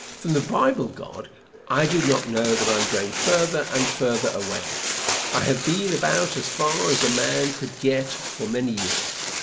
From the Bible God, I do not know that I am going farther and farther away. I have been about as far as a man could get for many years.